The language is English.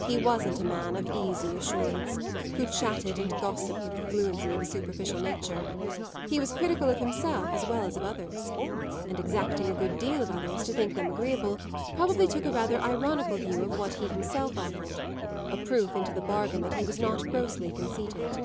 He wasn't a man of easy assurance, who chatted and gossiped with the fluency of a superficial nature; he was critical of himself as well as of others, and, exacting a good deal of others, to think them agreeable, probably took a rather ironical view of what he himself offered: a proof into the bargain that he was not grossly conceited.